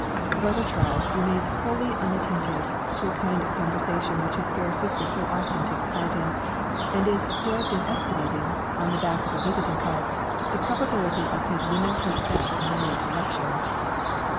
Brother Charles remains wholly unattentive to a kind of conversation which his fair sister so often takes part in, and is absorbed in estimating, on the back of a visiting card, the probability of his winning his bet on the late election.